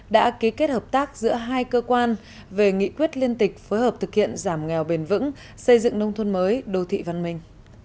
đã ký kết hợp tác giữa hai cơ quan về nghị quyết liên tịch phối hợp thực hiện giảm nghèo bền vững xây dựng nông thôn mới đô thị văn minh